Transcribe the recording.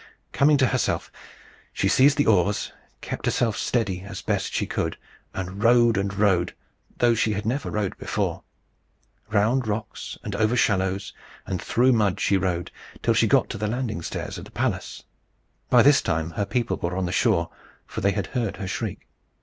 Coming to herself, she seized the oars, kept herself steady as best she could, and rowed and rowed, though she had never rowed before. Round rocks, and over shallows, and through mud she rowed, till she got to the landing stairs of the palace. By this time her people were on the shore, for they had heard her shriek.